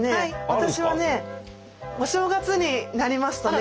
私はねお正月になりますとね。